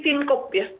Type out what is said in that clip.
seperti sinkop ya